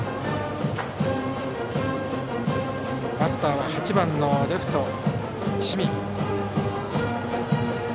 バッターは８番のレフト、石見。